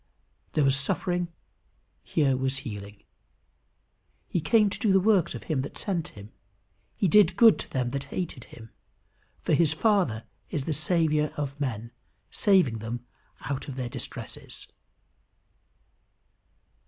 There was suffering; here was healing. He came to do the works of him that sent him. He did good to them that hated him, for his Father is the Saviour of men, saving "them out of their distresses."